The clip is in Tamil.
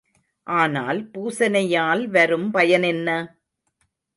ஆனால் பூசனையால் வரும் பயனென்ன?